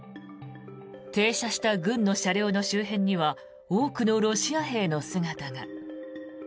停車した軍の車両の周辺には多くのロシア兵の姿が。